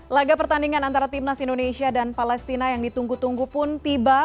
laga pertandingan antara timnas indonesia dan palestina yang ditunggu tunggu pun tiba